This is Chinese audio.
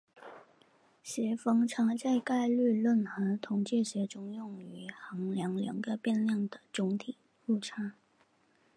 协方差在概率论和统计学中用于衡量两个变量的总体误差。